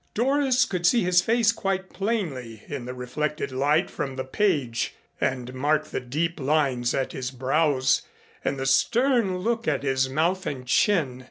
Doris could see his face quite plainly in the reflected light from the page, and marked the deep lines at his brows and the stern look at his mouth and chin.